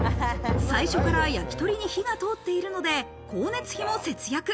最初から焼き鳥に火が通っているので、光熱費も節約。